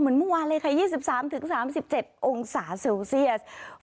เมื่อวานเลยค่ะ๒๓๓๗องศาเซลเซียส